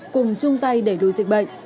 cùng chung tay đẩy đuôi dịch bệnh